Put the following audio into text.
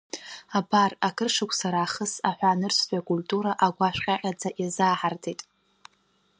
Абар, акыр шықәса раахыс, аҳәаанырцәтәи акультура агәашә ҟьаҟьаӡа иазааҳартит.